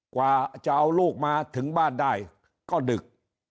กว่าจะเอาลูกมาถึงบ้านได้ก็ดึก